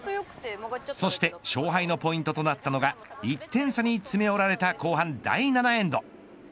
そして勝敗のポイントとなったのが１点差に詰め寄られた後半、第７エンド。